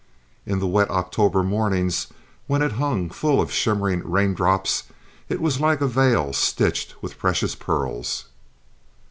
In the wet October mornings, when it hung full of shimmering raindrops, it was like a veil stitched with precious pearls.